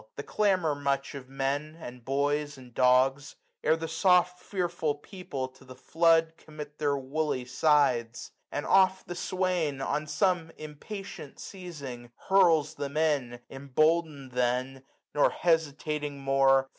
The clamour much, of men, and boys, and dogs, )Bre the soft fearful people to the flood «4 SUMMER. Commit their woolly sides. Aiid oft the swsdn. On some impatient seizing, hurls them in : 380 Emboldened then, nor hesitating more.